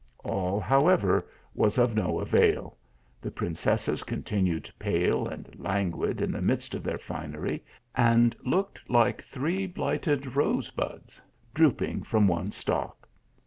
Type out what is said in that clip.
All. however, was of no avail. The princesses continued pale and languid in the midst of the i finery, and looked like three blighted rose buds, drooping from one stalk.